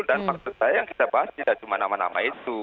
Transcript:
dan maksud saya yang kita bahas tidak cuma nama nama itu